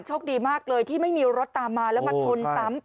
โชคดีมากเลยที่ไม่มีรถตามมาแล้วมาชนซ้ำ